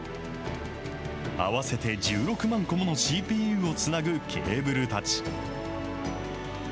合わせて１６万個ものＣＰＵをつなぐケーブルたち。